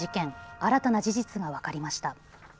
新たな事実が分かりました。